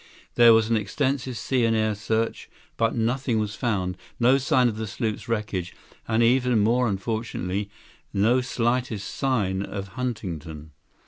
There was an extensive sea and air search, but nothing was found, no sign of the sloop's wreckage, and, even more unfortunately, no slightest sign of Huntington."